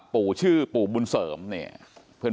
ปู่ชื่อปู่บุญเสริมเนี่ย